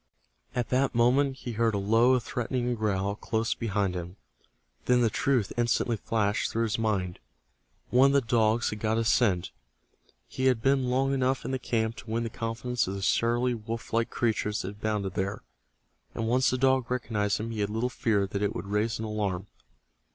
At that moment he heard a low threatening growl close beside him. Then the truth instantly flashed through his mind. One of the dogs had got his scent. He had been long enough in the camp to win the confidence of the surly wolf like creatures that abounded there, and once the dog recognized him he had little fear that it would raise an alarm.